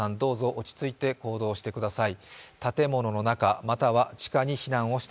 落ち着いて行動をしてください。